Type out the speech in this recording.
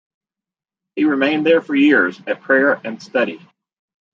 He remained there for years, at prayer and study.